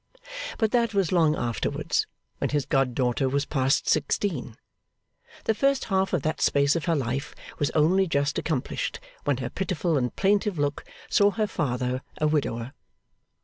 But that was long afterwards, when his god daughter was past sixteen. The first half of that space of her life was only just accomplished, when her pitiful and plaintive look saw her father a widower.